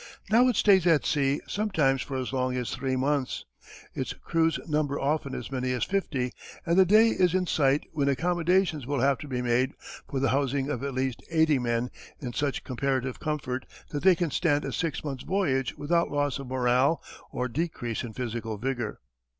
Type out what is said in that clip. Now it stays at sea sometimes for as long as three months. Its crews number often as many as fifty and the day is in sight when accommodations will have to be made for the housing of at least eighty men in such comparative comfort that they can stand a six months' voyage without loss of morale or decrease in physical vigour.